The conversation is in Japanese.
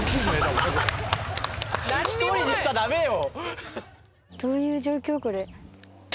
１人にしちゃダメよ。